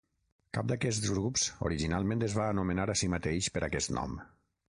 Cap d'aquests grups originalment es va anomenar a si mateix per aquest nom.